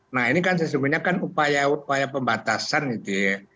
nah ini kan sesungguhnya kan upaya upaya pembatasan itu ya